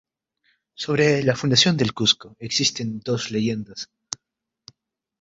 Sobre la fundación del Cuzco existe dos leyendas.